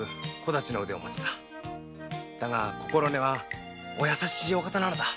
でも心根はお優しいお方なのだ。